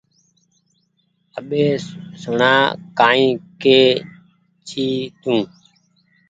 اٻي سوڻا ڪآئي ڪي جي تو